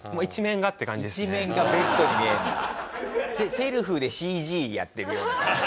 セルフでＣＧやってるような。